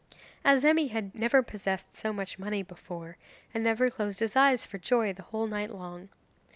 Azemi had never possessed so much money before, and never closed his eyes for joy the whole night long.